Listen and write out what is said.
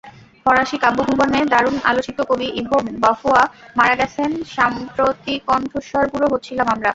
ফরাসি কাব্যভুবনে দারুণ আলোচিত কবি ইভো বঁফোয়া মারা গেছেন সম্প্রতিকণ্ঠস্বরবুড়ো হচ্ছিলাম আমরা।